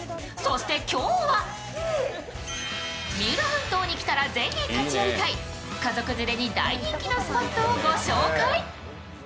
そして、今日は、三浦半島に来たら是非立ち寄りたい家族連れに大人気のスポットをご紹介。